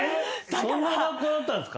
そんな学校だったんすか。